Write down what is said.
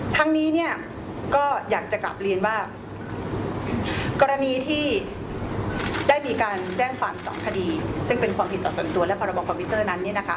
ทั้งนี้ก็อยากจะกลับเรียนว่ากรณีที่ได้มีการแจ้งความ๒คดีซึ่งเป็นความผิดต่อส่วนตัวและพรบคอมพิวเตอร์นั้น